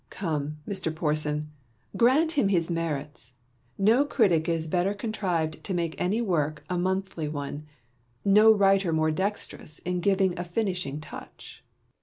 Southey. Come, Mr. Porson, grant him his merits : no critic is better contrived to make any work a monthly one, no writer more dexterous in giving a finishing touch.